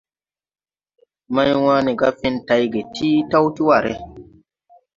Mày- wane gà fen tay ge ti taw ti ware.